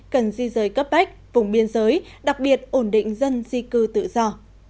cần di rời cấp bách vùng biên giới đặc biệt ổn định dân di cư tự do